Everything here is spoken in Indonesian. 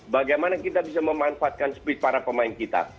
bagaimana kita bisa memanfaatkan speed para pemain kita